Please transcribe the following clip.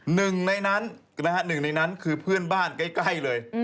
หนึ่งในนั้นคือเพื่อนบ้านใกล้เลย